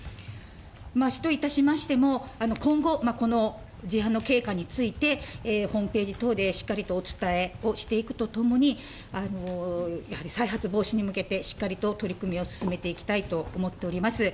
市といたしましても、今後、この事案の経過について、ホームページ等でしっかりとお伝えをしていくとともに、やはり再発防止に向けて、しっかりと取り組みを進めていきたいと思っております。